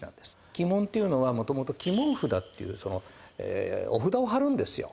鬼門っていうのはもともと鬼門札っていうお札を貼るんですよ。